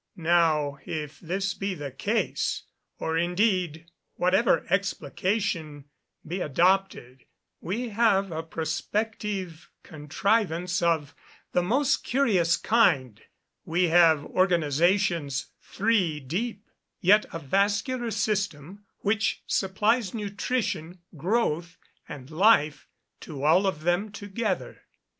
Now, if this be the case, or indeed whatever explication be adopted, we have a prospective contrivance of the most curious kind; we have organisations three deep; yet a vascular system, which supplies nutrition, growth, and life, to all of them together."